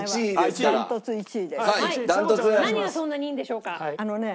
何がそんなにいいんでしょうか？